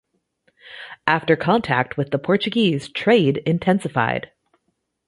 After contact with the Portuguese, trade intensified.